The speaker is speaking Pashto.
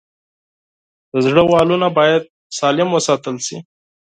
د زړه والونه باید سالم وساتل شي.